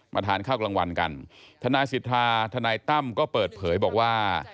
ทานข้าวกลางวันกันทนายสิทธาทนายตั้มก็เปิดเผยบอกว่า